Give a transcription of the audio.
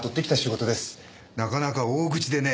なかなか大口でね。